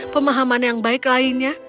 pemahaman yang baik lainnya